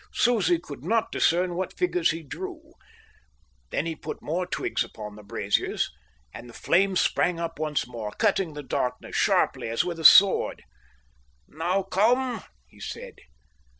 Susie could not discern what figures he drew. Then he put more twigs upon the braziers, and the flames sprang up once more, cutting the darkness sharply as with a sword. "Now come," he said.